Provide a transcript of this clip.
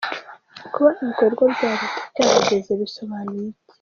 Kuba ibikorwa bya Leta byahagaze bisobanuye iki?.